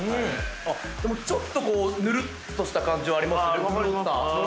でもちょっとぬるっとした感じはありますよね潤った。